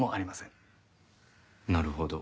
なるほど。